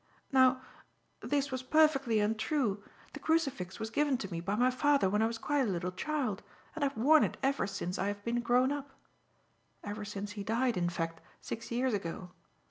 "Now this was perfectly untrue. The crucifix was given to me by my father when I was quite a little child, and I have worn it ever since I have been grown up ever since he died, in fact, six years ago.